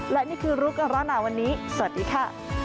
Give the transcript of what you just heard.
และนี่คือรุกรณาวันนี้สวัสดีค่ะ